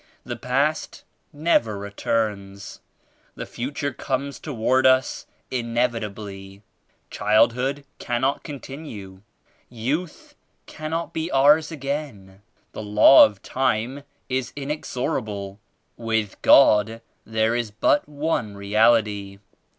The past never returns. The future comes toward us inevitably. Childhood cannot continue; youth cannot be ours again. The Law of Time is inex orablc. With God there is but One Reality.